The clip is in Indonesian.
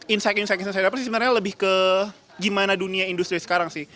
insight insight insight saya dapat sih sebenarnya lebih ke gimana dunia industri sekarang sih